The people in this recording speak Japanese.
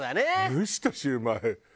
蒸したシュウマイ。